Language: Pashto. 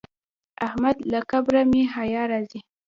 احمد له قبره مې حیا راځي.